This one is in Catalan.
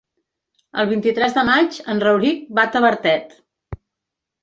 El vint-i-tres de maig en Rauric va a Tavertet.